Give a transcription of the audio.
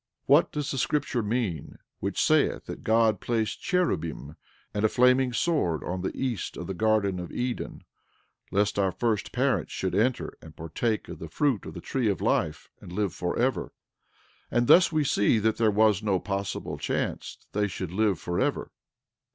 12:21 What does the scripture mean, which saith that God placed cherubim and a flaming sword on the east of the garden of Eden, lest our first parents should enter and partake of the fruit of the tree of life, and live forever? And thus we see that there was no possible chance that they should live forever.